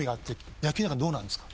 野球なんかどうなんですか？